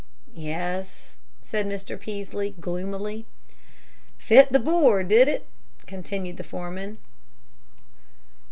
"Yes," said Mr. Peaslee, gloomily. "Fit the bore, did it?" continued the foreman.